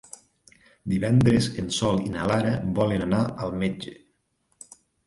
Divendres en Sol i na Lara volen anar al metge.